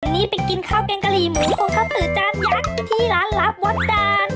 นี่ไปกินข้าวแกงกะหรี่หมูของข้าวตือจานยักษ์ที่ร้านลับวัดด่าน